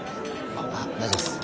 あっ大丈夫です。